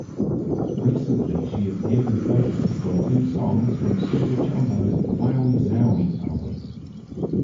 Recently, she appeared as vocalist on two songs from Superchumbo's "Wowie Zowie" album.